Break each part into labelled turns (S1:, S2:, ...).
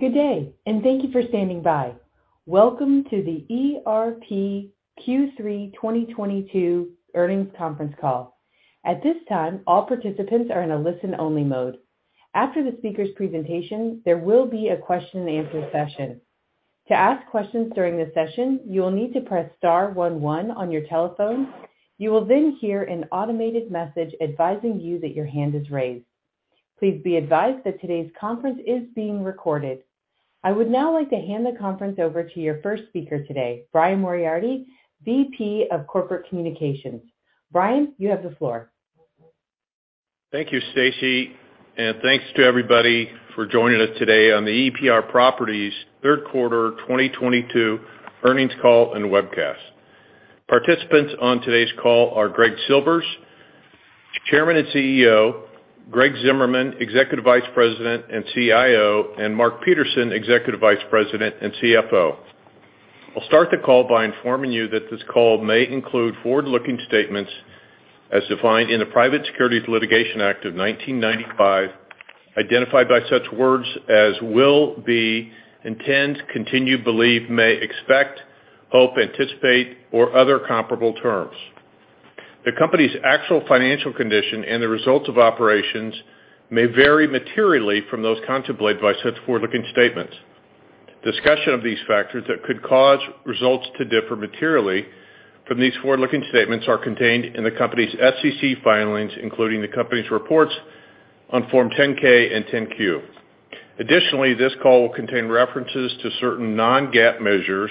S1: Good day, and thank you for standing by. Welcome to the EPR Q3 2022 Earnings Conference Call. At this time, all participants are in a listen-only mode. After the speakers' presentation, there will be a question and answer session. To ask questions during the session, you will need to press star one one on your telephone. You will then hear an automated message advising you that your hand is raised. Please be advised that today's conference is being recorded. I would now like to hand the conference over to your first speaker today, Brian Moriarty, VP of Corporate Communications. Brian, you have the floor.
S2: Thank you, Stacy. Thanks to everybody for joining us today on the EPR Properties third quarter 2022 earnings call and webcast. Participants on today's call are Greg Silvers, Chairman and CEO, Greg Zimmerman, Executive Vice President and CIO, and Mark Peterson, Executive Vice President and CFO. I'll start the call by informing you that this call may include forward-looking statements as defined in the Private Securities Litigation Reform Act of 1995, identified by such words as will, be, intend, continue, believe, may, expect, hope, anticipate, or other comparable terms. The company's actual financial condition and the results of operations may vary materially from those contemplated by such forward-looking statements. Discussion of these factors that could cause results to differ materially from these forward-looking statements are contained in the company's SEC filings, including the company's reports on Form 10-K and 10-Q. Additionally, this call will contain references to certain non-GAAP measures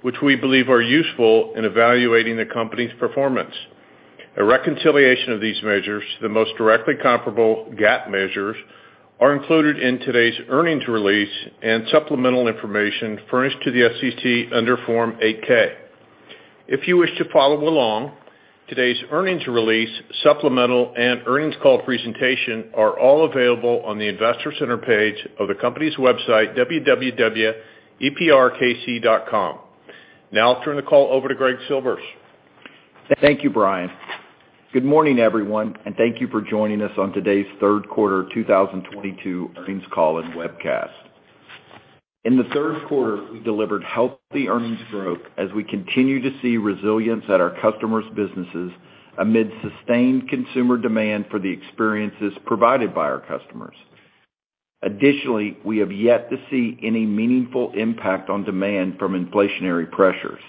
S2: which we believe are useful in evaluating the company's performance. A reconciliation of these measures to the most directly comparable GAAP measures are included in today's earnings release and supplemental information furnished to the SEC under Form 8-K. If you wish to follow along, today's earnings release, supplemental, and earnings call presentation are all available on the investor center page of the company's website, www.eprkc.com. Now I'll turn the call over to Greg Silvers.
S3: Thank you, Brian. Good morning, everyone, and thank you for joining us on today's third quarter 2022 earnings call and webcast. In the third quarter, we delivered healthy earnings growth as we continue to see resilience at our customers' businesses amid sustained consumer demand for the experiences provided by our customers. Additionally, we have yet to see any meaningful impact on demand from inflationary pressures.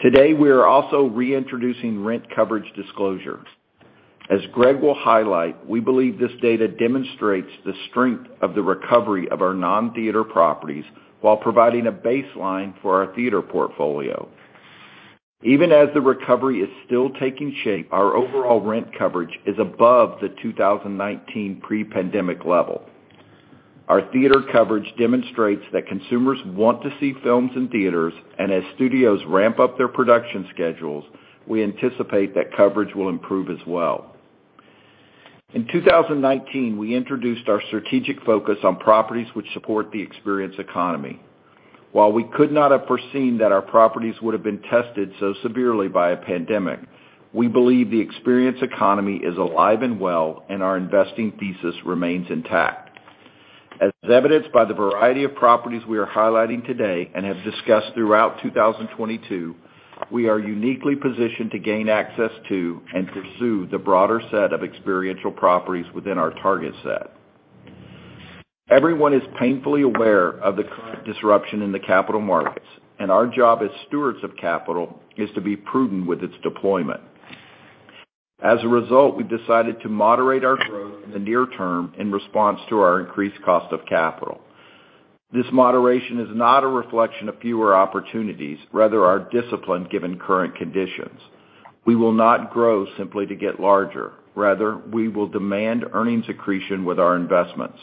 S3: Today, we are also reintroducing rent coverage disclosures. As Greg will highlight, we believe this data demonstrates the strength of the recovery of our non-theater properties while providing a baseline for our Theater Portfolio. Even as the recovery is still taking shape, our overall rent coverage is above the 2019 pre-pandemic level. Our theater coverage demonstrates that consumers want to see films in theaters and as studios ramp up their production schedules, we anticipate that coverage will improve as well. In 2019, we introduced our strategic focus on properties which support the experience economy. While we could not have foreseen that our properties would have been tested so severely by a pandemic, we believe the experience economy is alive and well and our investing thesis remains intact. As evidenced by the variety of properties we are highlighting today and have discussed throughout 2022, we are uniquely positioned to gain access to and pursue the broader set of experiential properties within our target set. Everyone is painfully aware of the current disruption in the capital markets, and our job as stewards of capital is to be prudent with its deployment. As a result, we've decided to moderate our growth in the near term in response to our increased cost of capital. This moderation is not a reflection of fewer opportunities, rather our discipline given current conditions. We will not grow simply to get larger. Rather, we will demand earnings accretion with our investments.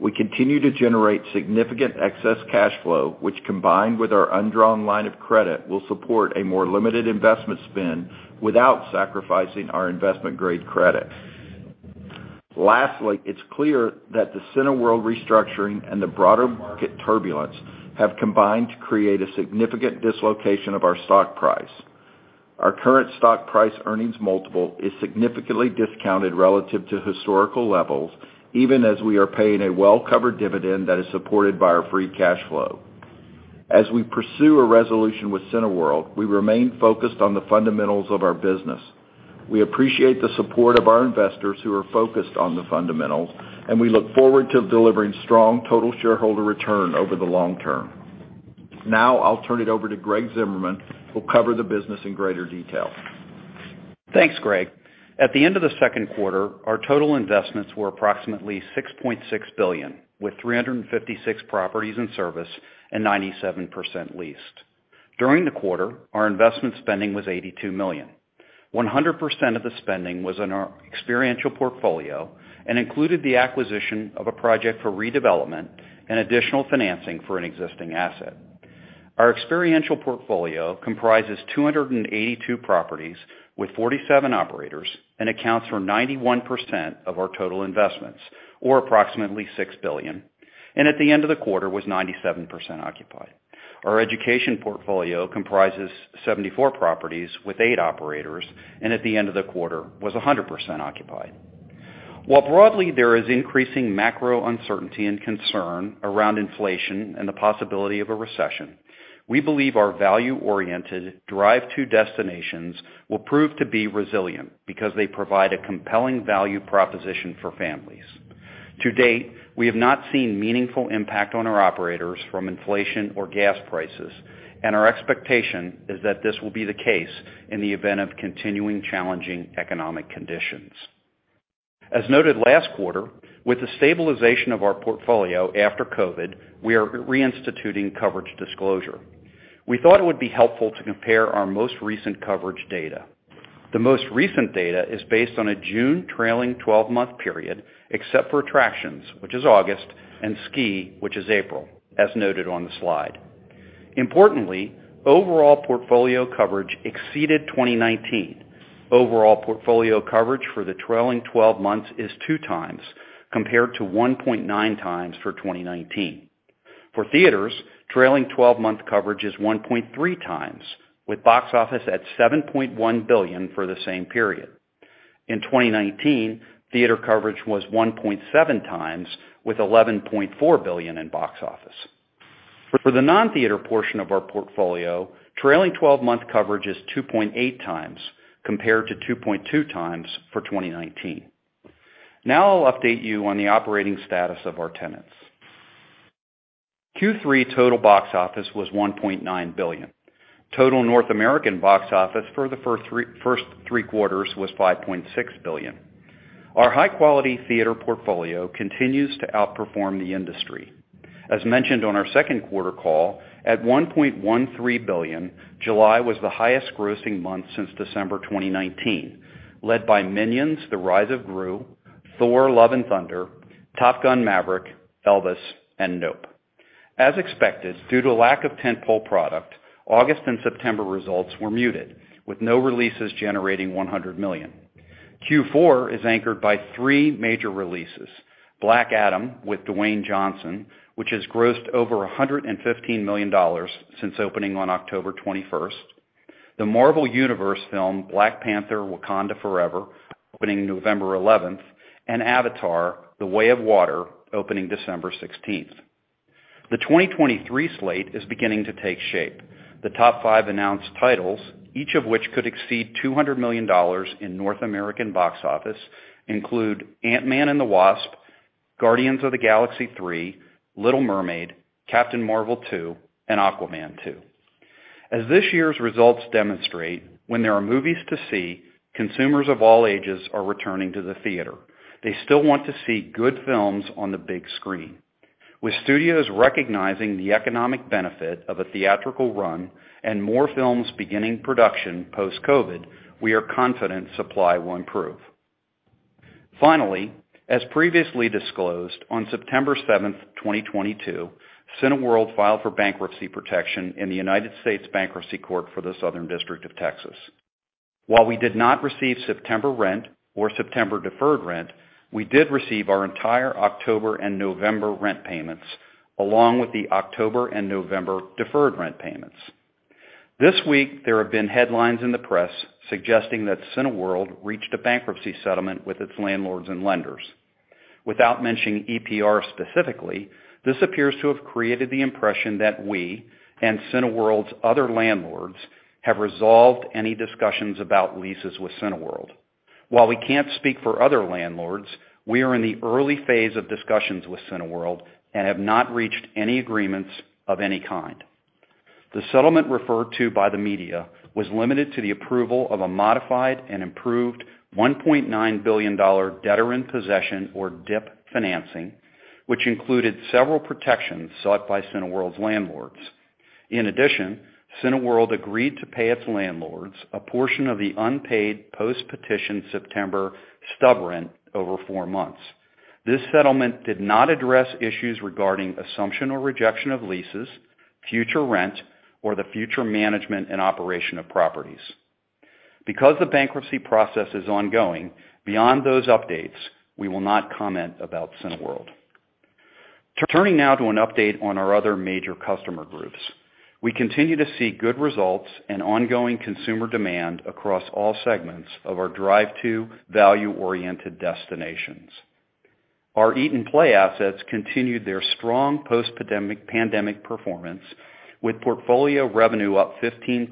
S3: We continue to generate significant excess cash flow, which combined with our undrawn line of credit, will support a more limited investment spend without sacrificing our investment-grade credit. Lastly, it's clear that the Cineworld restructuring and the broader market turbulence have combined to create a significant dislocation of our stock price. Our current stock price earnings multiple is significantly discounted relative to historical levels, even as we are paying a well-covered dividend that is supported by our free cash flow. As we pursue a resolution with Cineworld, we remain focused on the fundamentals of our business. We appreciate the support of our investors who are focused on the fundamentals, and we look forward to delivering strong total shareholder return over the long term. Now I'll turn it over to Greg Zimmerman, who'll cover the business in greater detail.
S4: Thanks, Greg. At the end of the second quarter, our total investments were approximately $6.6 billion, with 356 properties in service and 97% leased. During the quarter, our Investment Spending was $82 million. 100% of the spending was in our experiential portfolio and included the acquisition of a project for redevelopment and additional financing for an existing asset. Our experiential portfolio comprises 282 properties with 47 operators and accounts for 91% of our total investments, or approximately $6 billion. At the end of the quarter was 97% occupied. Our education portfolio comprises 74 properties with eight operators, and at the end of the quarter was 100% occupied. While broadly, there is increasing macro uncertainty and concern around inflation and the possibility of a recession, we believe our value-oriented drive to destinations will prove to be resilient because they provide a compelling value proposition for families. To date, we have not seen meaningful impact on our operators from inflation or gas prices, and our expectation is that this will be the case in the event of continuing challenging economic conditions. As noted last quarter, with the stabilization of our portfolio after COVID, we are reinstituting coverage disclosure. We thought it would be helpful to compare our most recent coverage data. The most recent data is based on a June trailing twelve-month period, except for attractions, which is August, and ski, which is April, as noted on the slide. Importantly, overall portfolio coverage exceeded 2019. Overall portfolio coverage for the trailing twelve months is 2x, compared to 1.9x for 2019. For theaters, trailing twelve-month coverage is 1.3x, with box office at $7.1 billion for the same period. In 2019, theater coverage was 1.7x, with $11.4 billion in box office. For the non-theater portion of our portfolio, trailing twelve-month coverage is 2.8x compared to 2.2x for 2019. Now I'll update you on the operating status of our tenants. Q3 total box office was $1.9 billion. Total North American box office for the first three quarters was $5.6 billion. Our high-quality Theater Portfolio continues to outperform the industry. As mentioned on our second quarter call, $1.13 billion, July was the highest grossing month since December 2019, led by Minions: The Rise of Gru, Thor: Love and Thunder, Top Gun: Maverick, Elvis, and Nope. As expected, due to lack of tent-pole product, August and September results were muted, with no releases generating $100 million. Q4 is anchored by three major releases, Black Adam with Dwayne Johnson, which has grossed over $115 million since opening on October 21. The Marvel Universe film, Black Panther: Wakanda Forever, opening November 11, and Avatar: The Way of Water, opening December 16. The 2023 slate is beginning to take shape. The top five announced titles, each of which could exceed $200 million in North American box office, include Ant-Man and the Wasp: Quantumania, Guardians of the Galaxy Vol. 3, The Little Mermaid, The Marvels, and Aquaman and the Lost Kingdom. This year's results demonstrate, when there are movies to see, consumers of all ages are returning to the theater. They still want to see good films on the big screen. With studios recognizing the economic benefit of a theatrical run and more films beginning production post-COVID, we are confident supply will improve. Finally, as previously disclosed, on September 7th, 2022, Cineworld filed for bankruptcy protection in the United States Bankruptcy Court for the Southern District of Texas. While we did not receive September rent or September deferred rent, we did receive our entire October and November rent payments, along with the October and November deferred rent payments. This week, there have been headlines in the press suggesting that Cineworld reached a bankruptcy settlement with its landlords and lenders. Without mentioning EPR specifically, this appears to have created the impression that we and Cineworld's other landlords have resolved any discussions about leases with Cineworld. While we can't speak for other landlords, we are in the early phase of discussions with Cineworld and have not reached any agreements of any kind. The settlement referred to by the media was limited to the approval of a modified and improved $1.9 billion debtor-in-possession or DIP financing, which included several protections sought by Cineworld's landlords. In addition, Cineworld agreed to pay its landlords a portion of the unpaid post-petition September stub rent over four months. This settlement did not address issues regarding assumption or rejection of leases, future rent, or the future management and operation of properties. Because the bankruptcy process is ongoing, beyond those updates, we will not comment about Cineworld. Turning now to an update on our other major customer groups. We continue to see good results and ongoing consumer demand across all segments of our drive to value-oriented destinations. Our Eat & Play assets continued their strong post-pandemic performance, with portfolio revenue up 15%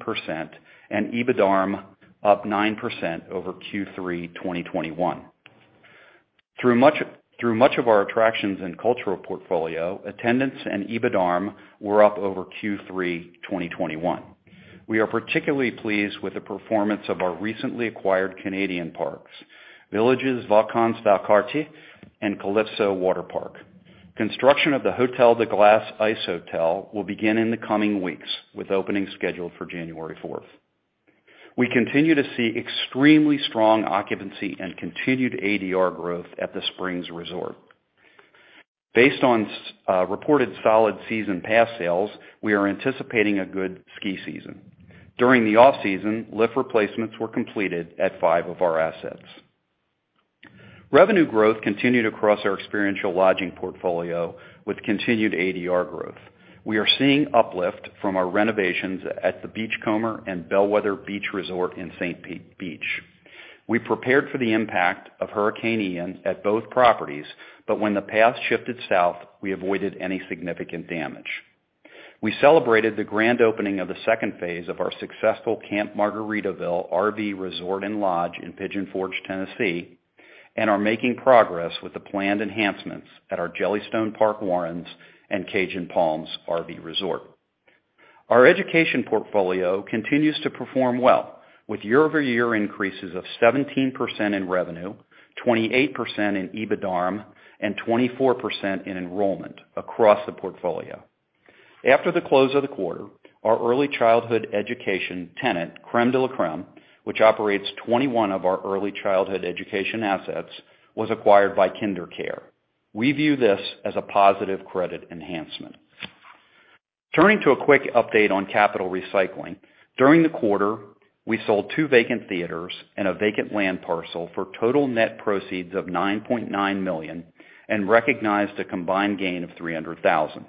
S4: and EBITDARM up 9% over Q3 2021. Through much of our attractions and Cultural Portfolio, attendance and EBITDARM were up over Q3 2021. We are particularly pleased with the performance of our recently acquired Canadian parks, Village Vacances Valcartier and Calypso Waterpark. Construction of the Hotel de Glace ice hotel will begin in the coming weeks, with opening scheduled for January fourth. We continue to see extremely strong occupancy and continued ADR growth at The Springs Resort & Spa. Based on reported solid season pass sales, we are anticipating a good ski season. During the off-season, lift replacements were completed at five of our assets. Revenue growth continued across our Experiential Lodging Portfolio with continued ADR growth. We are seeing uplift from our renovations at The Beachcomber and Bellwether Beach Resort in St. Pete Beach. We prepared for the impact of Hurricane Ian at both properties, but when the path shifted south, we avoided any significant damage. We celebrated the grand opening of the second phase of our successful Camp Margaritaville RV Resort and Lodge in Pigeon Forge, Tennessee, and are making progress with the planned enhancements at our Jellystone Park Warrens and Cajun Palms RV Resort. Our Education Portfolio continues to perform well with year-over-year increases of 17% in revenue, 28% in EBITDARM, and 24% in enrollment across the portfolio. After the close of the quarter, our Early Childhood Education Tenant, Crème de la Crème, which operates 2021 of our Early Childhood Education Assets, was acquired by KinderCare. We view this as a positive credit enhancement. Turning to a quick update on capital recycling. During the quarter, we sold two vacant theaters and a vacant land parcel for total net proceeds of $9.9 million and recognized a combined gain of $300,000.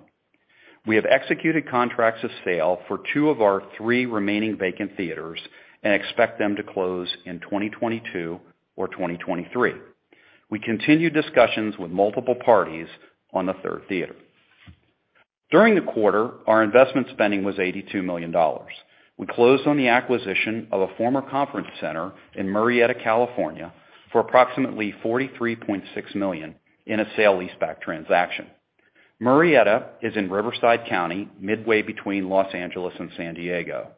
S4: We have executed contracts of sale for two of our three remaining vacant theaters and expect them to close in 2022 or 2023. We continue discussions with multiple parties on the third theater. During the quarter, our Investment Spending was $82 million. We closed on the acquisition of a former conference center in Murrieta, California, for approximately $43.6 million in a sale leaseback transaction. Murrieta is in Riverside County, midway between Los Angeles and San Diego.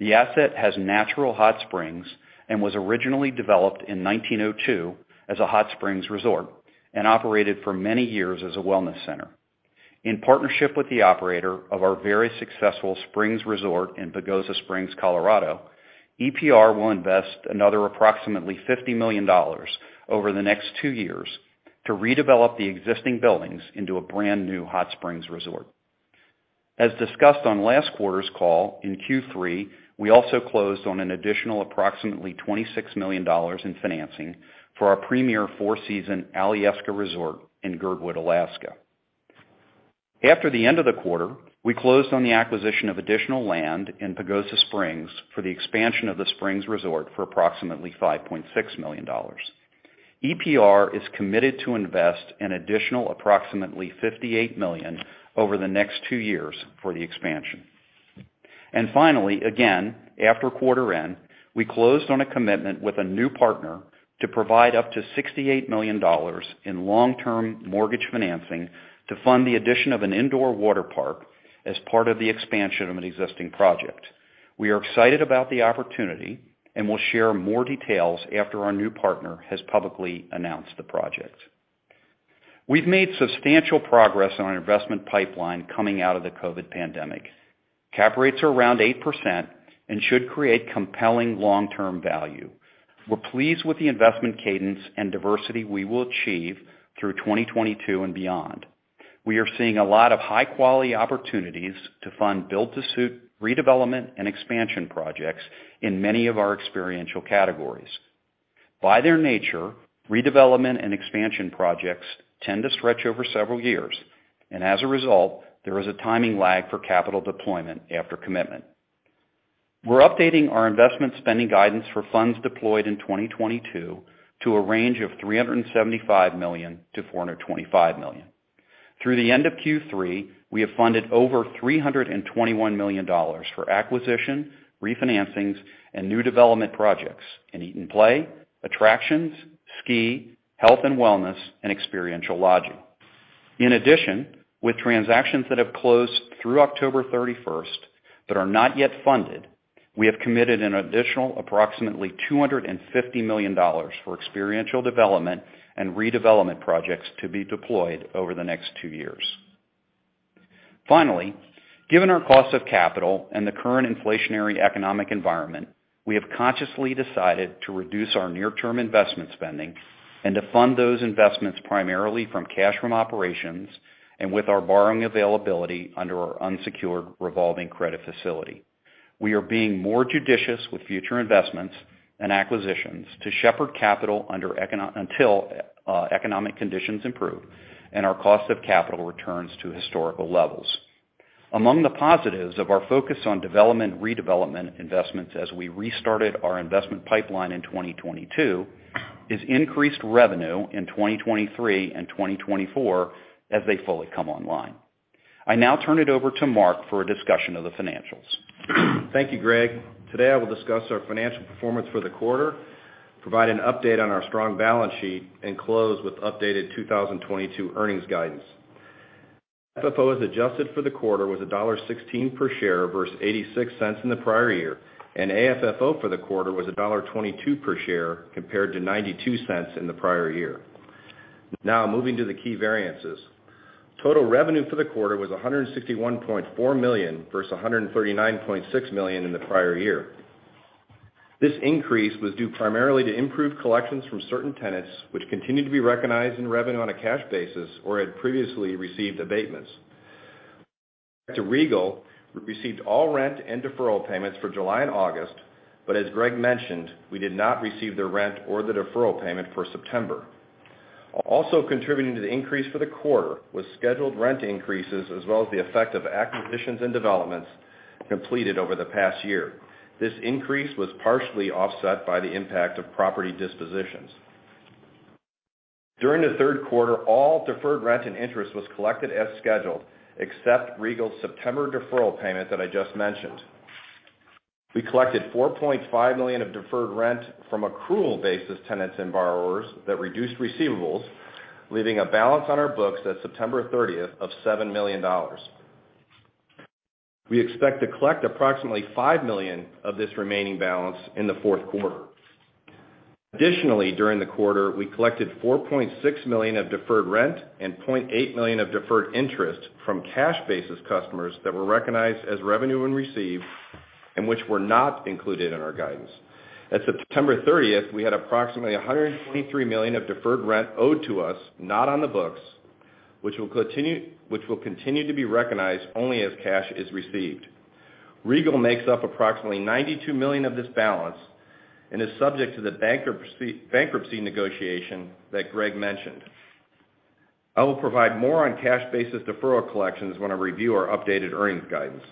S4: The asset has natural hot springs and was originally developed in 1902 as a hot springs resort and operated for many years as a wellness center. In partnership with the operator of our very successful Springs Resort in Pagosa Springs, Colorado, EPR will invest another approximately $50 million over the next two years to redevelop the existing buildings into a brand-new hot springs resort. As discussed on last quarter's call, in Q3, we also closed on an additional approximately $26 million in financing for our premier four-season Alyeska Resort in Girdwood, Alaska. After the end of the quarter, we closed on the acquisition of additional land in Pagosa Springs for the expansion of the Springs Resort for approximately $5.6 million. EPR is committed to invest an additional approximately $58 million over the next two years for the expansion. Finally, again, after quarter end, we closed on a commitment with a new partner to provide up to $68 million in long-term mortgage financing to fund the addition of an indoor waterpark as part of the expansion of an existing project. We are excited about the opportunity and will share more details after our new partner has publicly announced the project. We've made substantial progress on our investment pipeline coming out of the COVID pandemic. Cap rates are around 8% and should create compelling long-term value. We're pleased with the investment cadence and diversity we will achieve through 2022 and beyond. We are seeing a lot of high-quality opportunities to fund Build-to-Suit Redevelopment and Expansion projects in many of our experiential categories. By their nature, redevelopment and expansion projects tend to stretch over several years, and as a result, there is a timing lag for capital deployment after commitment. We're updating our Investment Spending guidance for funds deployed in 2022 to a range of $375 million-425 million. Through the end of Q3, we have funded over $321 million for acquisition, refinancings, and new development projects in Eat & Play, attractions, ski, health and wellness, and experiential lodging. In addition, with transactions that have closed through October thirty-first that are not yet funded, we have committed an additional approximately $250 million for experiential Development and Redevelopment Projects to be deployed over the next two years. Finally, given our cost of capital and the current inflationary economic environment, we have consciously decided to reduce our near-term Investment Spending and to fund those investments primarily from cash from operations and with our borrowing availability under our Unsecured Revolving Credit Facility. We are being more judicious with future investments and acquisitions to shepherd capital until economic conditions improve and our cost of capital returns to historical levels. Among the positives of our focus on development and redevelopment investments as we restarted our investment pipeline in 2022 is increased revenue in 2023 and 2024 as they fully come online. I now turn it over to Mark for a discussion of the financials.
S5: Thank you, Greg. Today, I will discuss our financial performance for the quarter, provide an update on our strong balance sheet, and close with updated 2022 earnings guidance. FFO as adjusted for the quarter was $1.16 per share versus 0.86 in the prior year, and AFFO for the quarter was $1.22 per share compared to 0.92 in the prior year. Now moving to the key variances. Total revenue for the quarter was $161.4 million versus 139.6 million in the prior year. This increase was due primarily to improved collections from certain tenants, which continued to be recognized in revenue on a cash basis or had previously received abatements. To Regal, we received all rent and deferral payments for July and August, but as Greg mentioned, we did not receive the rent or the deferral payment for September. Also contributing to the increase for the quarter was scheduled rent increases, as well as the effect of acquisitions and developments completed over the past year. This increase was partially offset by the impact of property dispositions. During the third quarter, all deferred rent and interest was collected as scheduled, except Regal's September deferral payment that I just mentioned. We collected $4.5 million of deferred rent from accrual basis tenants and borrowers that reduced receivables, leaving a balance on our books at September thirtieth of $7 million. We expect to collect approximately $5 million of this remaining balance in the fourth quarter. Additionally, during the quarter, we collected $4.6 million of deferred rent and $0.8 million of Deferred Interest from cash basis customers that were recognized as revenue when received and which were not included in our guidance. At September 30th, we had approximately $123 million of deferred rent owed to us, not on the books, which will continue to be recognized only as cash is received. Regal makes up approximately $92 million of this balance and is subject to the bankruptcy negotiation that Greg mentioned. I will provide more on cash basis deferral collections when I review our updated earnings guidance.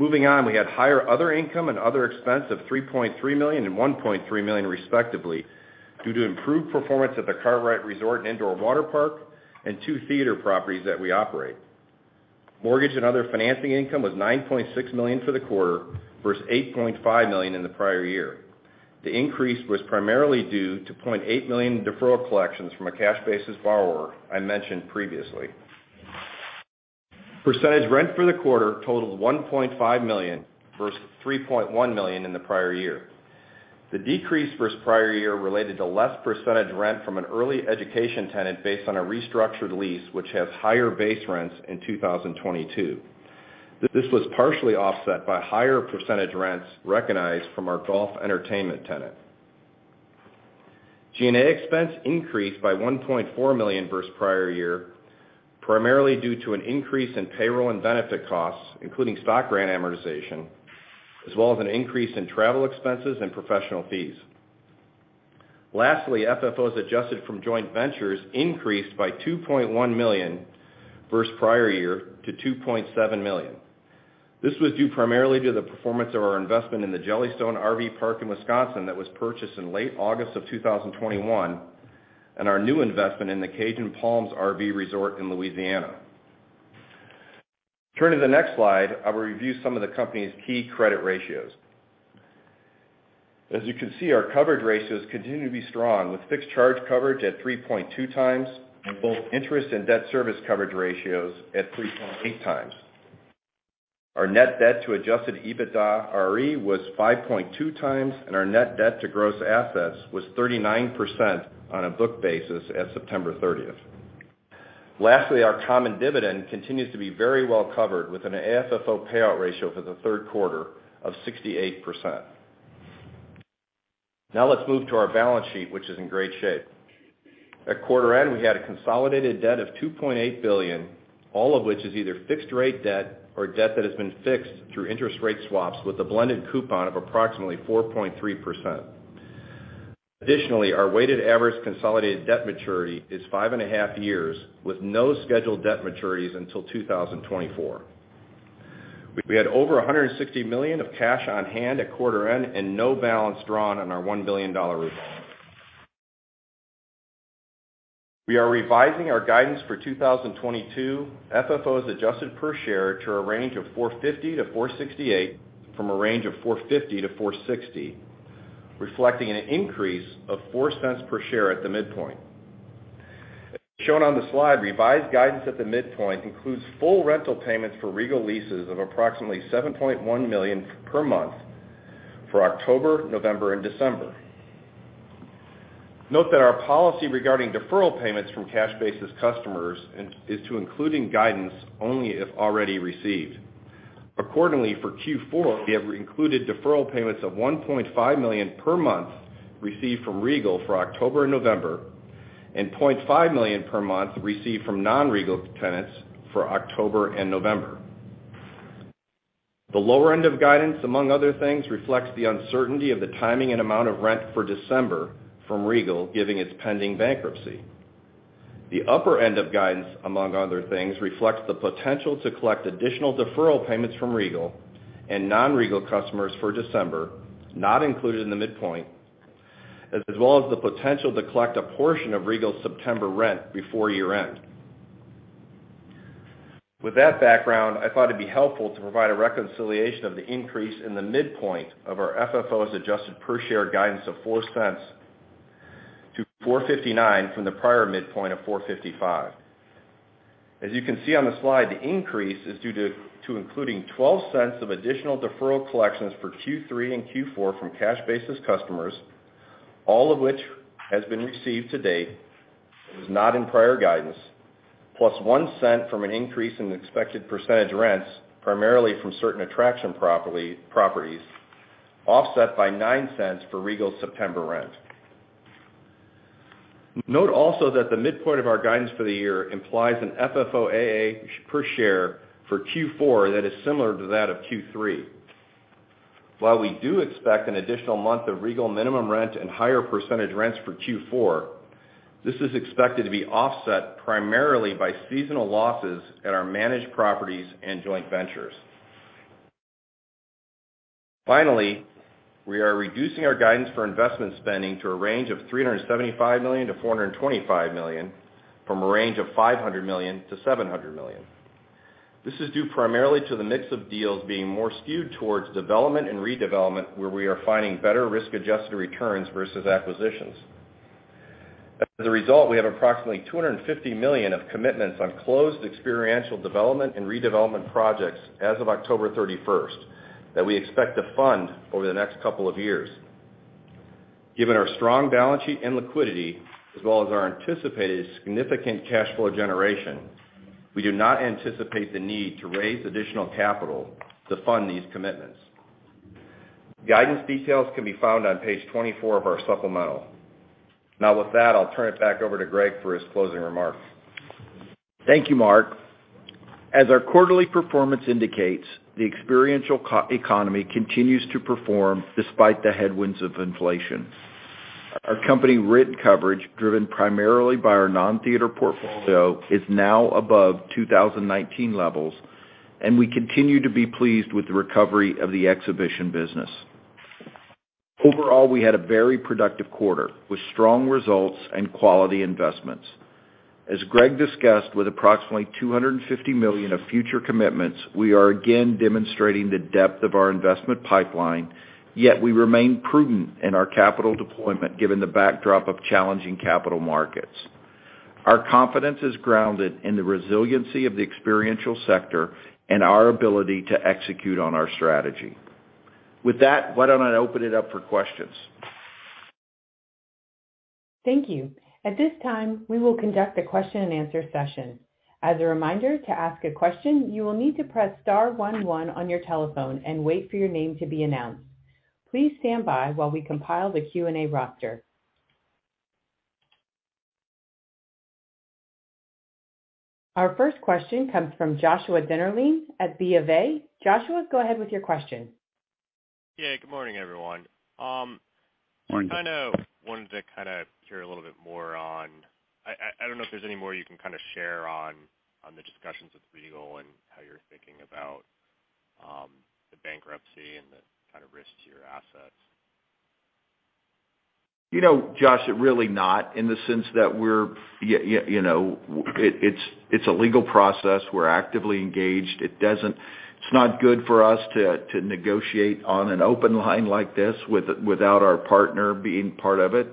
S5: Moving on, we had higher other income and other expense of $3.3 million and 1.3 million respectively, due to improved performance at the Kartrite Resort & Indoor Waterpark and two theater properties that we operate. Mortgage and other financing income was $9.6 million for the quarter versus $8.5 million in the prior year. The increase was primarily due to $0.8 million deferral collections from a cash basis borrower I mentioned previously. Percentage rent for the quarter totaled $1.5 million versus 3.1 million in the prior year. The decrease versus prior year related to less percentage rent from an early education tenant based on a restructured lease which has higher base rents in 2022. This was partially offset by higher percentage rents recognized from our golf entertainment tenant. G&A expense increased by $1.4 million versus prior year, primarily due to an increase in payroll and benefit costs, including stock grant amortization, as well as an increase in travel expenses and professional fees. Lastly, FFO adjusted from joint ventures increased by $2.1 million versus prior year to $2.7 million. This was due primarily to the performance of our investment in the Jellystone Park in Wisconsin that was purchased in late August of 2021, and our new investment in the Cajun Palms RV Resort in Louisiana. Turning to the next slide, I will review some of the company's key credit ratios. As you can see, our coverage ratios continue to be strong, with fixed charge coverage at 3.2x and both interest and debt service coverage ratios at 3.8x. Our net debt to adjusted EBITDAre was 5.2x, and our net debt to gross assets was 39% on a book basis at September 30th. Lastly, our common dividend continues to be very well covered with an AFFO payout ratio for the third quarter of 68%. Now let's move to our balance sheet, which is in great shape. At quarter end, we had a Consolidated Debt of $2.8 billion, all of which is either fixed rate debt or debt that has been fixed through interest rate swaps with a blended coupon of approximately 4.3%. Additionally, our weighted average Consolidated Debt maturity is 5.5 years, with no scheduled Debt Maturities until 2024. We had over $160 million of Cash on Hand at quarter end and no balance drawn on our $1 billion revolving. We are revising our guidance for 2022 FFO adjusted per share to a range of $4.50-4.68 from a range of $4.50-4.60, reflecting an increase of $0.04 per share at the midpoint. As shown on the slide, revised guidance at the midpoint includes full rental payments for Regal Leases of approximately $7.1 million per month for October, November, and December. Note that our policy regarding deferral payments from cash basis customers is to include in guidance only if already received. Accordingly, for Q4, we have included deferral payments of $1.5 million per month received from Regal for October and November, and $0.5 million per month received from non-Regal tenants for October and November. The lower end of guidance, among other things, reflects the uncertainty of the timing and amount of rent for December from Regal, given its pending bankruptcy. The upper end of guidance, among other things, reflects the potential to collect additional deferral payments from Regal and non-Regal customers for December, not included in the midpoint, as well as the potential to collect a portion of Regal's September rent before year-end. With that background, I thought it'd be helpful to provide a reconciliation of the increase in the midpoint of our FFO adjusted per share guidance of $0.04 to 4.59 from the prior midpoint of $4.55. As you can see on the slide, the increase is due to including $0.12 of additional deferral collections for Q3 and Q4 from cash basis customers, all of which has been received to date and was not in prior guidance, plus $0.01 from an increase in expected percentage rents, primarily from certain Attraction Properties, offset by $0.09 for Regal's September rent. Note also that the midpoint of our guidance for the year implies an FFOAA per share for Q4 that is similar to that of Q3. While we do expect an additional month of Regal minimum rent and higher percentage rents for Q4, this is expected to be offset primarily by seasonal losses at our managed properties and joint ventures. Finally, we are reducing our guidance for Investment Spending to a range of $375 million-425 million from a range of $500 million-700 million. This is due primarily to the mix of deals being more skewed towards development and redevelopment, where we are finding better risk-adjusted returns versus acquisitions. As a result, we have approximately $250 million of commitments on closed experiential Development and Redevelopment Projects as of October 31 that we expect to fund over the next couple of years. Given our Strong Balance Sheet and Liquidity, as well as our anticipated significant cash flow generation, we do not anticipate the need to raise additional capital to fund these commitments. Guidance details can be found on page 24 of our supplemental. Now, with that, I'll turn it back over to Greg for his closing remarks.
S3: Thank you, Mark. As our quarterly performance indicates, the experiential economy continues to perform despite the headwinds of inflation. Our company-wide coverage, driven primarily by our non-Theater Portfolio, is now above 2019 levels, and we continue to be pleased with the recovery of the exhibition business. Overall, we had a very productive quarter with strong results and quality investments. As Greg discussed, with approximately $250 million of future commitments, we are again demonstrating the depth of our investment pipeline, yet we remain prudent in our capital deployment given the backdrop of challenging capital markets. Our confidence is grounded in the resiliency of the experiential sector and our ability to execute on our strategy. With that, why don't I open it up for questions?
S1: Thank you. At this time, we will conduct a question-and-answer session. As a reminder, to ask a question, you will need to press star one one on your telephone and wait for your name to be announced. Please stand by while we compile the Q&A roster. Our first question comes from Joshua Dennerlein at BofA. Joshua, go ahead with your question.
S6: Yeah, good morning, everyone. I kind of wanted to kind of hear a little bit more. I don't know if there's any more you can kind of share on the discussions with Regal and how you're thinking about the bankruptcy and the kind of risk to your assets.
S3: You know, Josh, really not in the sense that we're, you know, it's a legal process. We're actively engaged. It doesn't. It's not good for us to negotiate on an open line like this without our partner being part of it.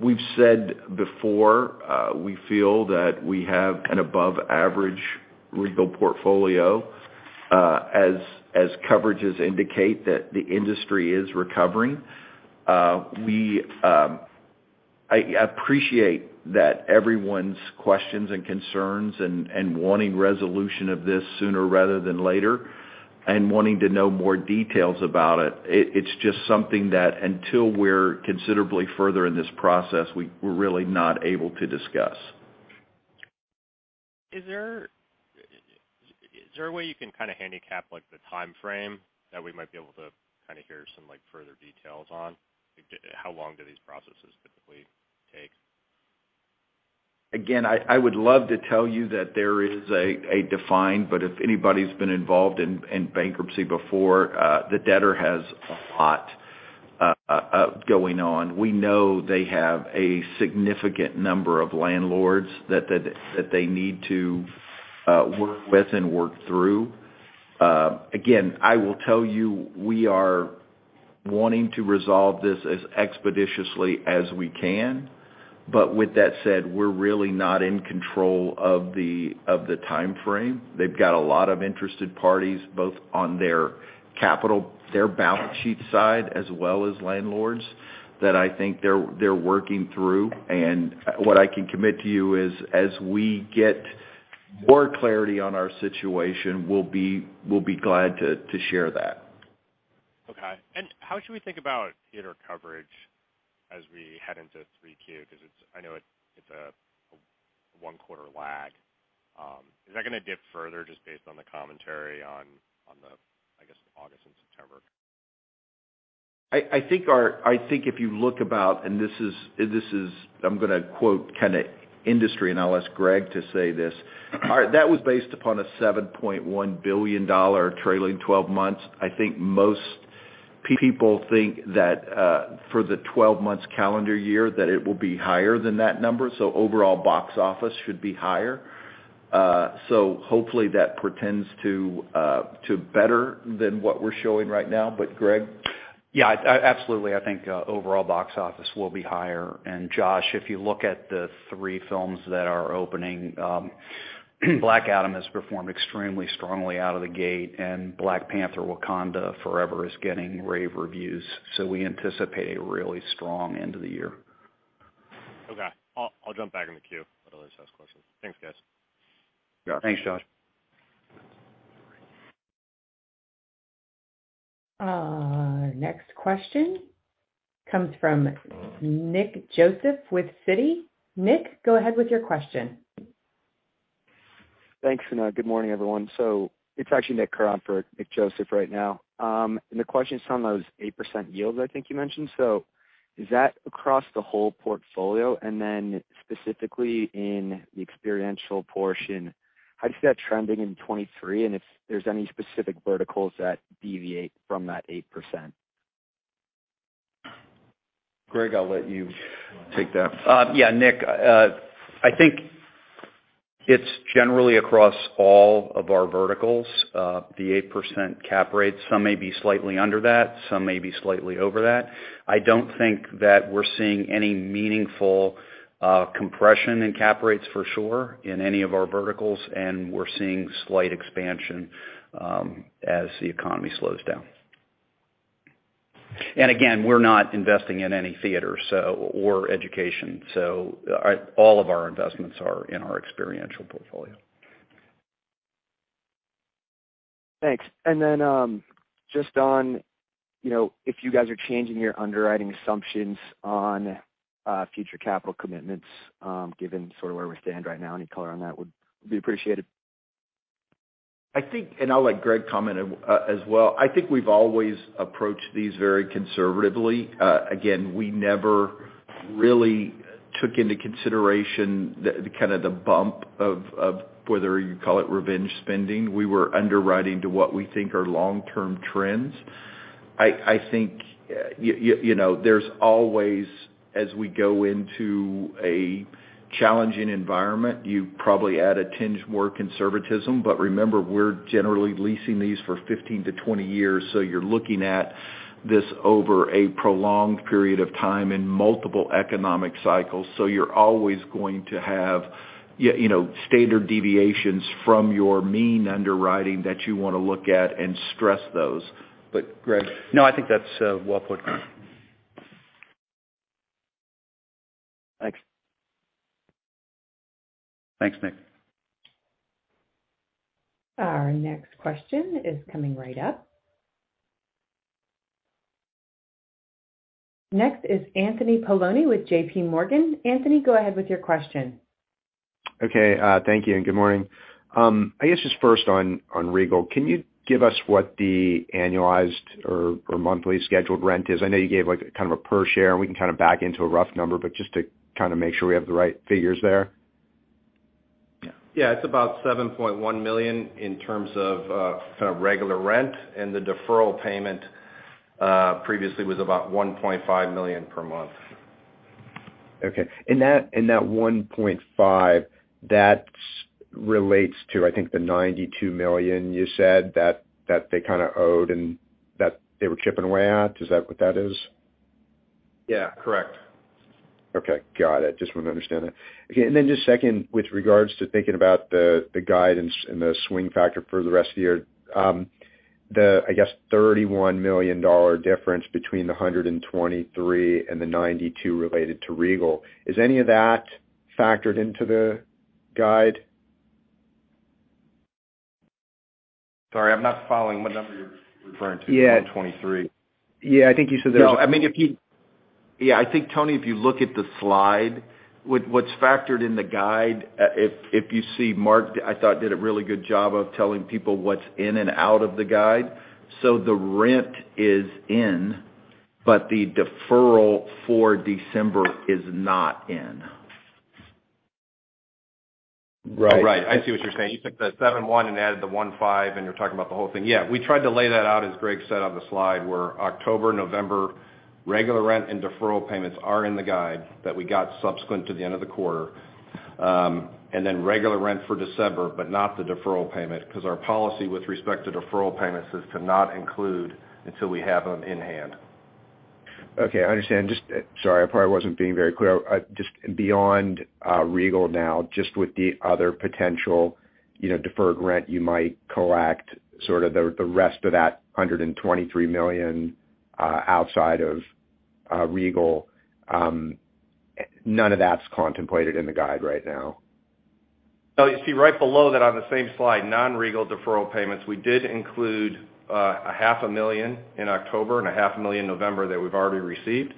S3: We've said before, we feel that we have an above-average Regal portfolio, as coverages indicate that the industry is recovering. I appreciate that everyone's questions and concerns and wanting resolution of this sooner rather than later and wanting to know more details about it. It's just something that until we're considerably further in this process, we're really not able to discuss.
S6: Is there a way you can kind of handicap, like, the timeframe that we might be able to kinda hear some, like, further details on? How long do these processes typically take?
S3: Again, I would love to tell you that there is a defined, but if anybody's been involved in bankruptcy before, the debtor has a lot going on. We know they have a significant number of landlords that they need to work with and work through. Again, I will tell you, we are wanting to resolve this as expeditiously as we can, but with that said, we're really not in control of the timeframe. They've got a lot of interested parties, both on their capital, their balance sheet side, as well as landlords that I think they're working through. What I can commit to you is, as we get more clarity on our situation, we'll be glad to share that.
S6: Okay. How should we think about theater coverage as we head into 3Q? 'Cause it's a one-quarter lag. Is that gonna dip further just based on the commentary on, I guess, August and September?
S5: I think if you look about, and this is, I'm gonna quote kinda industry, and I'll ask Greg to say this. That was based upon a $7.1 billion trailing 12 months. I think most people think that, for the 12 months calendar year, that it will be higher than that number. Overall box office should be higher. Hopefully, that portends to better than what we're showing right now. But Greg?
S3: Absolutely. I think, overall box office will be higher. Josh, if you look at the three films that are opening, Black Adam has performed extremely strongly out of the gate, and Black Panther: Wakanda Forever is getting rave reviews. We anticipate a really strong end of the year.
S6: Okay. I'll jump back in the queue, let others ask questions. Thanks, guys.
S3: Yeah. Thanks, Josh.
S1: Next question comes from Nick Joseph with Citi. Nick, go ahead with your question.
S7: Thanks, good morning, everyone. It's actually Nick Darrant for Nick Joseph right now. The question is on those 8% yields I think you mentioned. Is that across the whole portfolio? Then specifically in the experiential portion, how do you see that trending in 2023? If there's any specific verticals that deviate from that 8%.
S5: Greg, I'll let you take that.
S4: Yeah, Nick, I think it's generally across all of our verticals, the 8% cap rate. Some may be slightly under that, some may be slightly over that. I don't think that we're seeing any meaningful compression in cap rates for sure in any of our verticals, and we're seeing slight expansion as the economy slows down. We're not investing in any theaters or education. All of our investments are in our experiential portfolio.
S7: Thanks. Just on, you know, if you guys are changing your underwriting assumptions on future capital commitments, given sort of where we stand right now, any color on that would be appreciated.
S3: I think, and I'll let Greg comment as well. I think we've always approached these very conservatively. Again, we never really took into consideration the kind of bump of whether you call it revenge spending. We were underwriting to what we think are long-term trends. I think you know, there's always, as we go into a challenging environment, you probably add a tinge more conservatism. Remember, we're generally leasing these for 15-20 years, so you're looking at this over a prolonged period of time in multiple economic cycles. You're always going to have you know, standard deviations from your mean underwriting that you wanna look at and stress those. But Greg?
S4: No, I think that's, well put.
S7: Thanks.
S5: Thanks, Nick.
S1: Our next question is coming right up. Next is Anthony Paolone with JPMorgan. Anthony, go ahead with your question.
S8: Okay, thank you and good morning. I guess just first on Regal, can you give us what the annualized or monthly scheduled rent is? I know you gave, like, kind of a per share, and we can kind of back into a rough number, but just to kind of make sure we have the right figures there?
S3: Yeah. Yeah. It's about $7.1 million in terms of kind of regular rent, and the deferral payment previously was about $1.5 million per month.
S8: Okay. That $1.5 that relates to, I think, the $92 million you said that they kinda owed and that they were chipping away at. Is that what that is?
S5: Yeah, correct.
S8: Okay. Got it. Just wanted to understand that. Okay, just second, with regards to thinking about the guidance and the swing factor for the rest of the year, I guess, $31 million difference between the 123 and the 92 related to Regal. Is any of that factored into the guide?
S5: Sorry, I'm not following what number you're referring to?
S8: Yeah, 2023. Yeah. I think you said.
S3: No, I mean, yeah, I think, Tony, if you look at the slide, what's factored in the guide, if you see Mark, I thought did a really good job of telling people what's in and out of the guide. The rent is in, but the deferral for December is not in.
S8: Right.
S5: Right. I see what you're saying. You took the $71 and added the 15, and you're talking about the whole thing. Yeah, we tried to lay that out, as Greg said, on the slide, where October, November regular rent and deferral payments are in the guide that we got subsequent to the end of the quarter. Regular rent for December, but not the deferral payment, 'cause our policy with respect to deferral payments is to not include until we have them in hand.
S8: Okay. I understand. Just, sorry, I probably wasn't being very clear. Just beyond Regal now, just with the other potential, you know, deferred rent you might collect, sort of the rest of that $123 million outside of Regal, none of that's contemplated in the guide right now?
S5: No. You see right below that on the same slide, non-Regal deferral payments. We did include a half a million in October and a half a million in November that we've already received.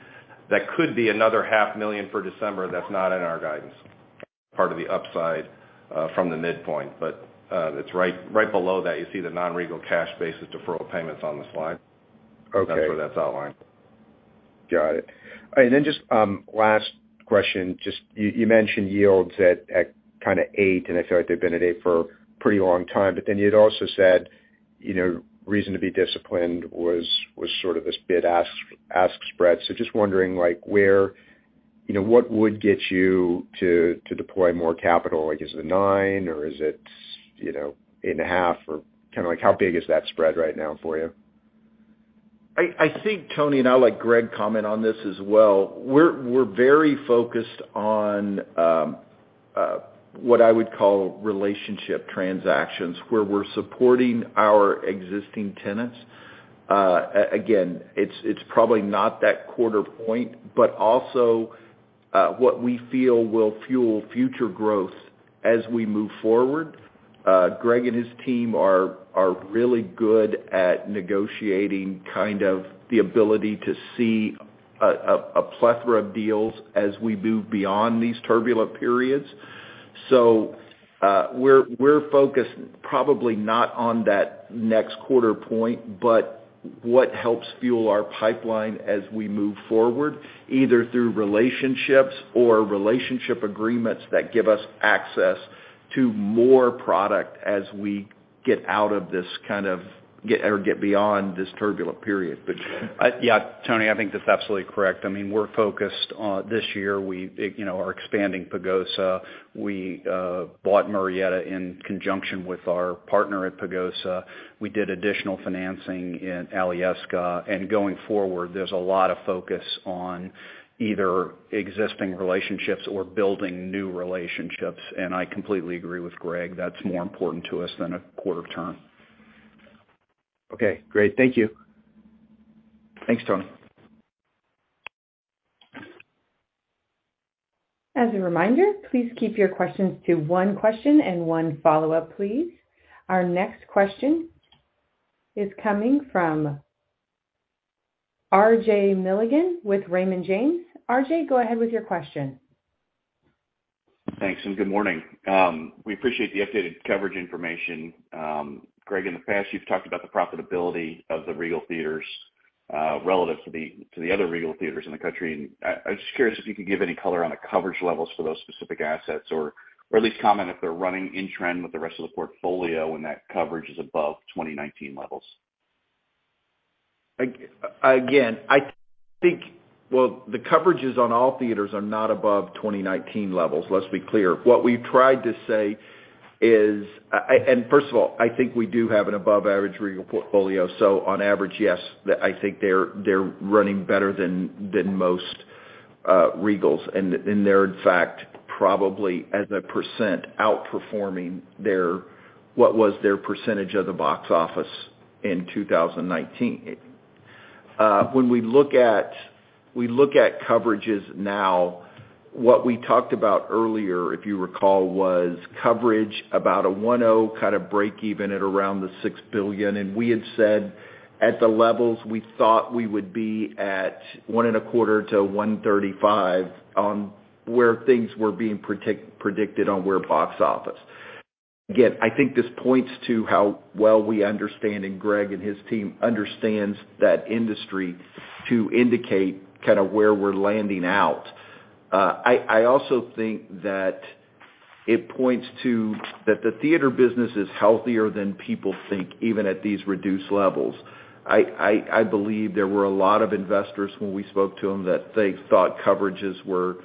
S5: That could be another half a million for December. That's not in our guidance. Part of the upside from the midpoint. It's right below that. You see the non-Regal cash basis deferral payments on the slide.
S8: Okay.
S5: That's where that's outlined.
S8: Got it. All right. Just last question, just you mentioned yields at kinda 8%, and I feel like they've been at 8% for a pretty long time. You had also said, you know, reason to be disciplined was sort of this bid-ask spread. Just wondering, like, where you know, what would get you to deploy more capital? Like, is it a 9% or is it, you know, 8.5% or kinda like how big is that spread right now for you?
S3: I think, Tony, and I'll let Greg comment on this as well. We're very focused on what I would call relationship transactions, where we're supporting our existing tenants. Again, it's probably not that quarter point, but also what we feel will fuel future growth as we move forward. Greg and his team are really good at negotiating kind of the ability to see a plethora of deals as we move beyond these turbulent periods. We're focused probably not on that next quarter point, but what helps fuel our pipeline as we move forward, either through relationships or relationship agreements that give us access to more product as we get out of this kind or get beyond this turbulent period.
S4: Yeah, Tony, I think that's absolutely correct. I mean, we're focused on this year, we, you know, are expanding Pagosa. We bought Murrieta in conjunction with our partner at Pagosa. We did additional financing in Alyeska, and going forward, there's a lot of focus on either existing relationships or building new relationships. I completely agree with Greg, that's more important to us than a quarter turn.
S8: Okay, great. Thank you.
S4: Thanks, Tony.
S1: As a reminder, please keep your questions to one question and one follow-up, please. Our next question is coming from RJ Milligan with Raymond James. RJ, go ahead with your question.
S9: Thanks, and good morning. We appreciate the updated coverage information. Greg, in the past, you've talked about the profitability of the Regal theaters, relative to the other Regal theaters in the country. I'm just curious if you could give any color on the coverage levels for those specific assets, or at least comment if they're running in trend with the rest of the portfolio when that coverage is above 2019 levels?
S3: Again, I think well, the coverages on all theaters are not above 2019 levels. Let's be clear. What we've tried to say is and first of all, I think we do have an above average Regal portfolio. So on average, yes, I think they're running better than most Regals, and they're, in fact, probably as a percent outperforming their, what was their percentage of the box office in 2019. When we look at coverages now, what we talked about earlier, if you recall, was coverage about a 1.0% kind of break even at around the $6 billion. We had said at the levels we thought we would be at 1.25%-1.35% on where things were being predicted on where box office. Again, I think this points to how well we understand, and Greg and his team understands that industry to indicate kind of where we're landing out. I also think that it points to that the theater business is healthier than people think, even at these reduced levels. I believe there were a lot of investors when we spoke to them that they thought coverages were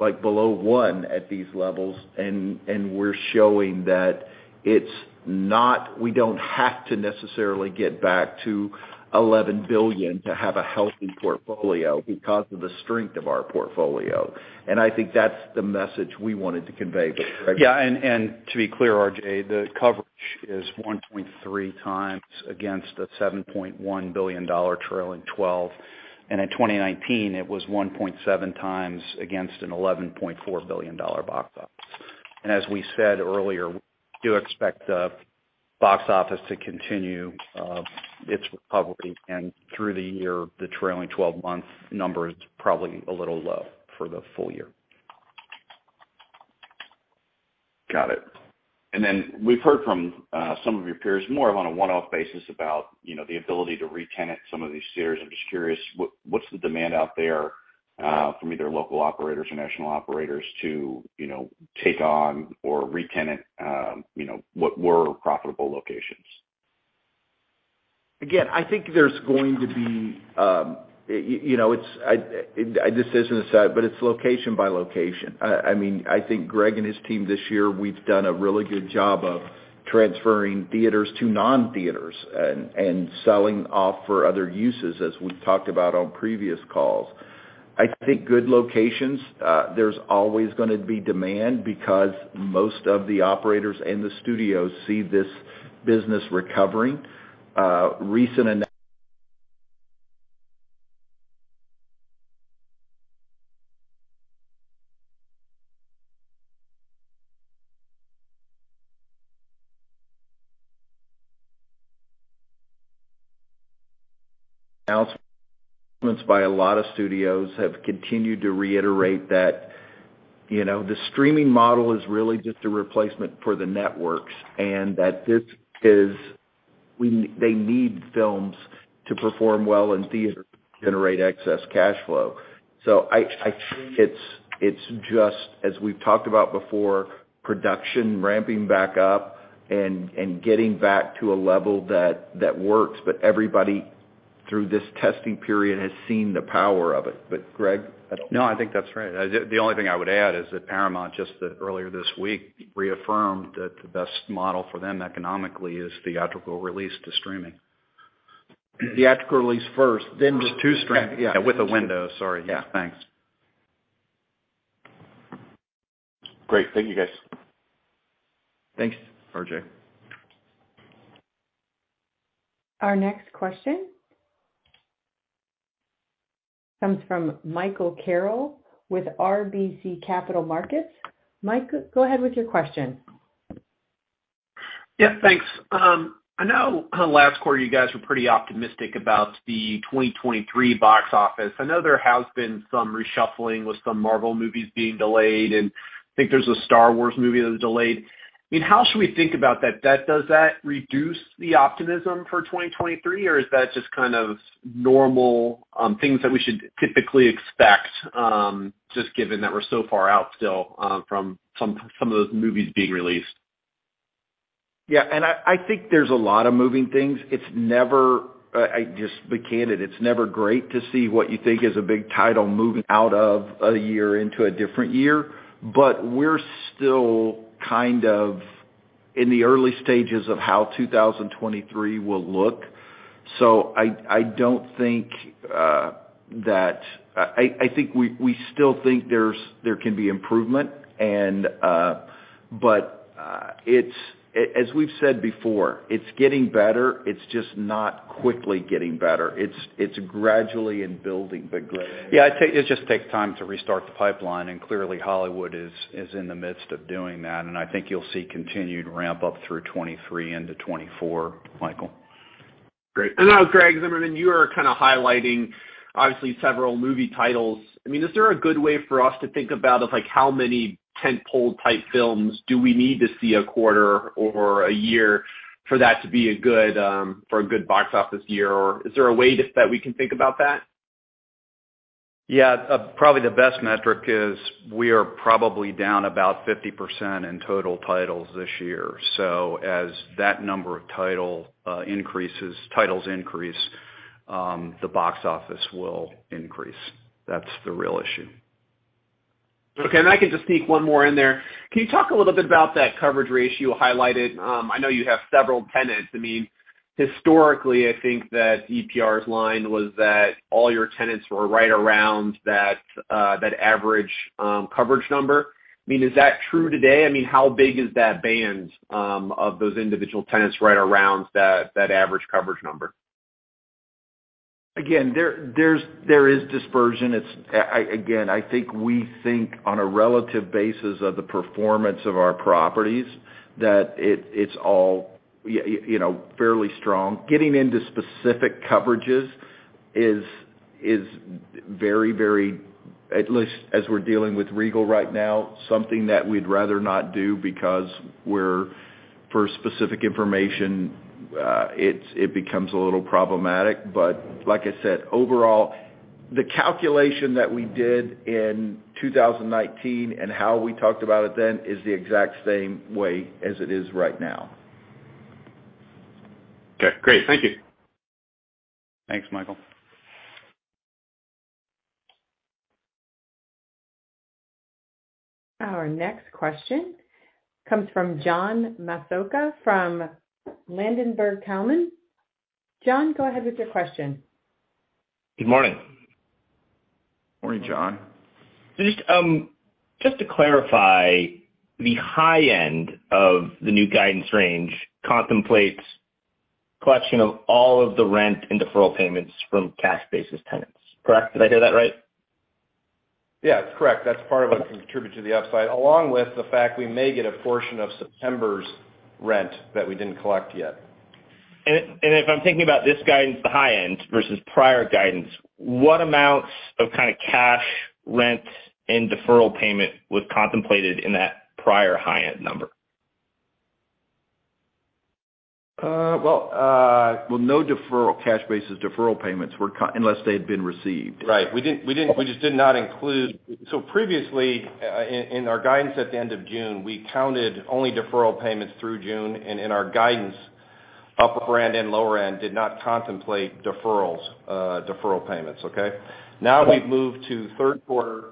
S3: like below one at these levels, and we're showing that it's not. We don't have to necessarily get back to $11 billion to have a healthy portfolio because of the strength of our portfolio. I think that's the message we wanted to convey. Greg.
S4: Yeah, to be clear, RJ, the coverage is 1.3x against the $7.1 billion trailing twelve. In 2019, it was 1.7x against an $11.4 billion box office. As we said earlier, we do expect the box office to continue its recovery and through the year, the trailing-twelve-month number is probably a little low for the full year.
S9: Got it. We've heard from some of your peers more often on a one-off basis about, you know, the ability to retenant some of these theaters. I'm just curious, what's the demand out there from either local operators or national operators to, you know, take on or retenant, you know, what were profitable locations?
S3: Again, I think there's going to be, you know, it's this isn't a set, but it's location by location. I mean, I think Greg and his team this year, we've done a really good job of transferring theaters to non-theaters and selling off for other uses, as we've talked about on previous calls. I think good locations, there's always gonna be demand because most of the operators and the studios see this business recovering. Recent announcements by a lot of studios have continued to reiterate that, you know, the streaming model is really just a replacement for the networks, and that they need films to perform well in theaters to generate excess cash flow. I it's just, as we've talked about before, production ramping back up and getting back to a level that works. Everybody through this testing period has seen the power of it. But Greg?
S4: No, I think that's right. The only thing I would add is that Paramount just earlier this week reaffirmed that the best model for them economically is theatrical release to streaming.
S3: Theatrical release first, then to streaming. Yeah.
S4: With a window. Sorry. Yeah. Thanks.
S9: Great. Thank you, guys.
S3: Thanks, RJ.
S1: Our next question comes from Michael Carroll with RBC Capital Markets. Mike, go ahead with your question.
S10: Yeah, thanks. I know kind of last quarter you guys were pretty optimistic about the 2023 box office. I know there has been some reshuffling with some Marvel movies being delayed, and I think there's a Star Wars movie that was delayed. I mean, how should we think about that? Does that reduce the optimism for 2023? Or is that just kind of normal things that we should typically expect just given that we're so far out still from some of those movies being released?
S3: Yeah. I think there's a lot of moving things. It's never just be candid, it's never great to see what you think is a big title moving out of a year into a different year. We're still kind of in the early stages of how 2023 will look. I don't think that we still think there can be improvement and, but, it's as we've said before, it's getting better, it's just not quickly getting better. It's gradually and building but growing.
S4: Yeah. It just takes time to restart the pipeline, and clearly Hollywood is in the midst of doing that. I think you'll see continued ramp up through 2023 into 2024, Michael.
S10: Great. I know Greg Zimmerman, you were kind of highlighting obviously several movie titles. I mean, is there a good way for us to think about, of like how many tentpole type films do we need to see a quarter or a year for that to be a good, for a good box office year? Or is there a way just that we can think about that?
S4: Yeah. Probably the best metric is we are probably down about 50% in total titles this year. As that number of titles increases, the box office will increase. That's the real issue.
S10: Okay. If I can just sneak one more in there. Can you talk a little bit about that coverage ratio highlighted? I know you have several tenants. I mean, historically, I think that EPR's line was that all your tenants were right around that average coverage number. I mean, is that true today? I mean, how big is that band of those individual tenants right around that average coverage number?
S4: Again, there is dispersion. It's again, I think we think on a relative basis of the performance of our properties, that it's all you know, fairly strong. Getting into specific coverages is very, very, at least as we're dealing with Regal right now, something that we'd rather not do. For specific information, it becomes a little problematic. Like I said, overall, the calculation that we did in 2019 and how we talked about it then is the exact same way as it is right now.
S10: Okay, great. Thank you.
S5: Thanks, Michael.
S1: Our next question comes from John Massocca from Ladenburg Thalmann. John, go ahead with your question.
S11: Good morning.
S5: Morning, John.
S11: Just to clarify, the high end of the new guidance range contemplates collection of all of the rent and deferral payments from cash business tenants. Correct? Did I hear that right?
S5: Yeah. It's correct. That's part of what can contribute to the upside, along with the fact we may get a portion of September's rent that we didn't collect yet.
S11: If I'm thinking about this guidance, the high end versus prior guidance, what amounts of kind of cash rent and deferral payment was contemplated in that prior high-end number?
S5: No deferral, cash basis deferral payments were unless they had been received. Right. We just did not include. Previously, in our guidance at the end of June, we counted only deferral payments through June. In our guidance, upper end and lower end did not contemplate deferrals, deferral payments. Okay? Now we've moved to third quarter,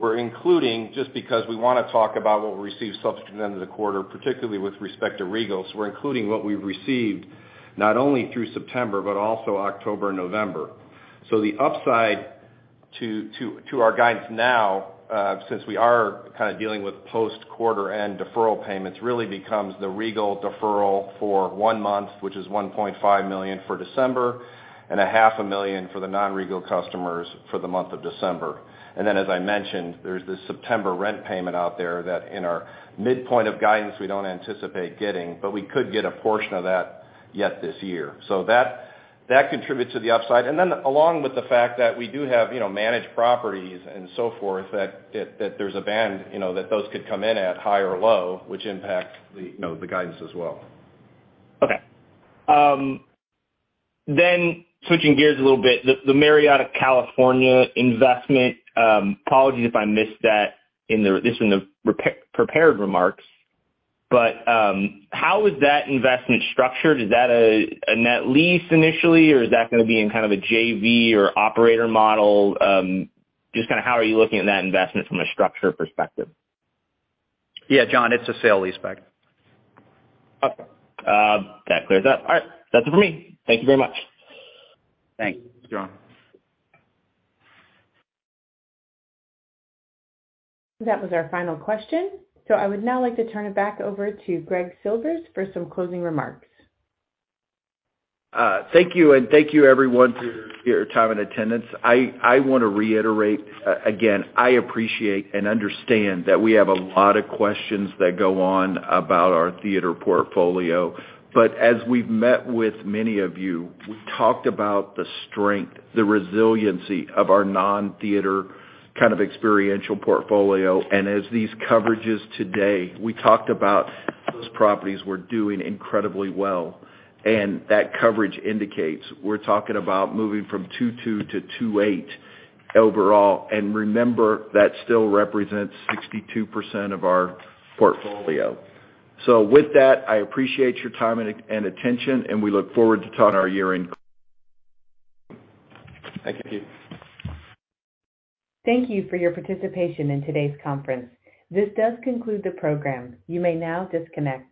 S5: we're including just because we want to talk about what we received subsequent to the end of the quarter, particularly with respect to Regal. We're including what we've received, not only through September, but also October and November. The upside to our guidance now, since we are kind of dealing with post-quarter end deferral payments, really becomes the Regal deferral for one month, which is $1.5 million for December, and $0.5 million for the non-Regal customers for the month of December. As I mentioned, there's the September rent payment out there that in our midpoint of guidance, we don't anticipate getting, but we could get a portion of that yet this year. That contributes to the upside. Along with the fact that we do have, you know, managed properties and so forth, that there's a band, you know, that those could come in at high or low, which impact the, you know, the guidance as well.
S11: Switching gears a little bit, the Murrieta, California investment, apologies if I missed that in the prepared remarks, but how is that investment structured? Is that a net lease initially, or is that gonna be in kind of a JV or operator model? Just kinda how are you looking at that investment from a structure perspective?
S5: Yeah. John, it's a sale-leaseback.
S11: Okay. That clears up. All right. That's it for me. Thank you very much.
S5: Thanks, John.
S1: That was our final question. I would now like to turn it back over to Greg Silvers for some closing remarks.
S3: Thank you, and thank you everyone for your time and attendance. I wanna reiterate again, I appreciate and understand that we have a lot of questions that go on about our Theater Portfolio. As we've met with many of you, we've talked about the strength, the resiliency of our non-theater kind of experiential portfolio. As these coverages today, we talked about those properties were doing incredibly well. That coverage indicates we're talking about moving from 2.2% to 2.8% overall. Remember, that still represents 62% of our portfolio. With that, I appreciate your time and attention, and we look forward to talking our year-end. Thank you.
S1: Thank you for your participation in today's conference. This does conclude the program. You may now disconnect.